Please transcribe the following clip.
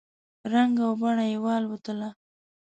رنګ او بڼه یې والوتله !